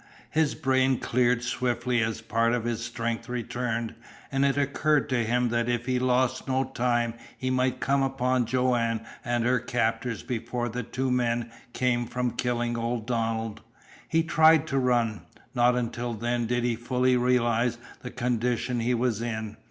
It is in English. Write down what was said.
His brain cleared swiftly as a part of his strength returned, and it occurred to him that if he lost no time he might come upon Joanne and her captors before the two men came from killing old Donald. He tried to run. Not until then did he fully realize the condition he was in.